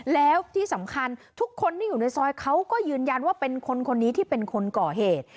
แล้วที่สำคัญทุกคนที่อยู่ในซอยเขาก็ยืนยันว่าเป็นคนคนนี้ที่เป็นคนก่อเหตุ